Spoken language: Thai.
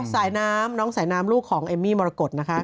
สายน้ำน้องสายน้ำลูกของเอมมี่มรกฏนะคะ